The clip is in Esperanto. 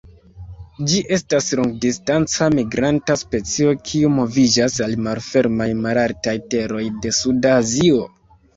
Ĝi estas longdistanca migranta specio kiu moviĝas al malfermaj malaltaj teroj de suda Azio.